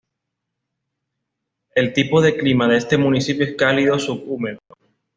El tipo de clima de este municipio es cálido subhúmedo.